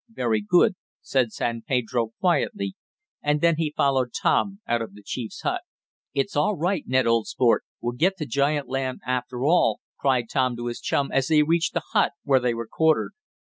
"Very good," said San Pedro quietly, and then he followed Tom out of the chief's hut. "It's all right, Ned old sport, we'll get to giant land after all!" cried Tom to his chum as they reached the hut where they were quartered.